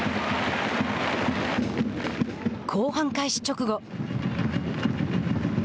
後半開始直後。